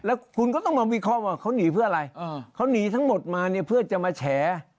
แล้วคุณก็ต้องมาวิเคราะห์ว่าเขาหนีเพื่ออะไรเขาหนีทั้งหมดมาเนี่ยเพื่อจะมาแฉ